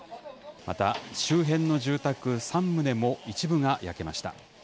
また、周辺の住宅３棟も一部が焼けました。